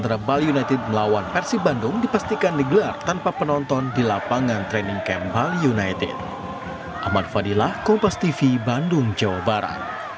ribuan boboto memadati tribun stadion sidolik saat persib bandung menggelar latihan jumat pagi